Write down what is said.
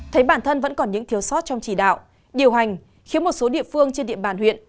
thấy bản thân vẫn còn những thiếu sót trong chỉ đạo điều hành khiến một số địa phương trên địa bàn huyện